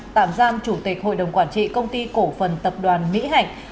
tạm gian chủ tịch hội đồng quản trị công ty cổ phần tập đoàn mỹ hạnh